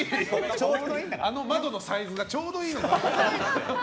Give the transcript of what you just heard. あの窓のサイズがちょうどいいんだね。